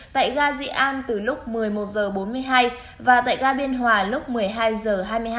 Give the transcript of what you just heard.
tại gà dị an từ lúc một mươi một giờ bốn mươi hai và tại gà biên hòa lúc một mươi hai giờ hai mươi hai